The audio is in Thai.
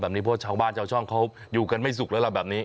เพราะชาวบ้านชาวช่องเขาอยู่กันไม่สุขแล้วล่ะแบบนี้